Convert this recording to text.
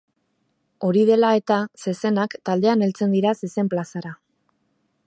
Hori dela eta, zezenak taldean heltzen dira zezen-plazara.